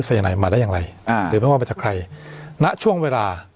สายนายมาได้อย่างไรอ่าหรือไม่ว่ามาจากใครณช่วงเวลา